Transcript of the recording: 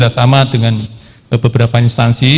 sama dengan beberapa instansi